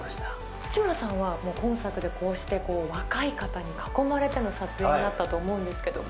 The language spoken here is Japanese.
内村さんは今作でこうして若い方に囲まれて撮影だったと思うんですけれども。